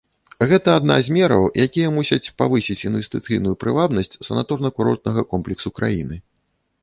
Гэта адна з мераў, якія мусяць павысіць інвестыцыйную прывабнасць санаторна-курортнага комплексу краіны.